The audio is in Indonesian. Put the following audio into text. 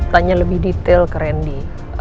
tanya lebih detail ke randy